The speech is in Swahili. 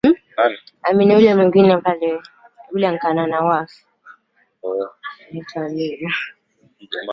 Hiyo ilikuwa mwaka elfu moja mia tisa themanini na sita